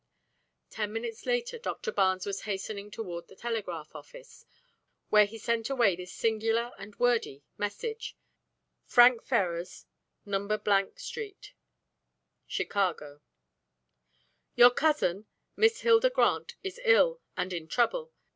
Ten minutes later Doctor Barnes was hastening toward the telegraph office, where he sent away this singular and wordy message: "Frank Ferrars, No. ... Street, Chicago "Your cousin, Miss Hilda Grant, is ill, and in trouble.